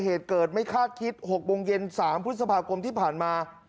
เหตุเกิดไม่คาดคิด๖โมงเย็น๓พฤษภาคมที่ผ่านมา